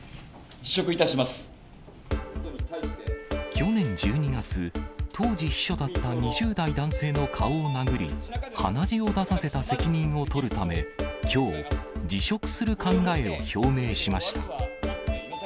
去年１２月、当時秘書だった２０代男性の顔を殴り、鼻血を出させた責任を取るため、きょう、辞職する考えを表明しました。